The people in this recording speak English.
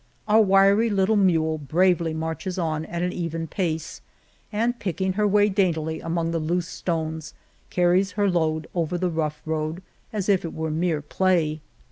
Our wiry little mule bravely marches on at an even pace, and picking her way daintily among the loose stones carries her load over the rough road as if it were mere play.